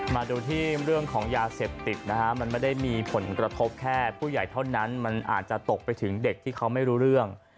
มันไม่ได้มีผลกระทบแค่ผู้ใหญ่เท่านั้นมันอาจจะตกไปถึงเด็กที่เขาไม่รู้เรื่อง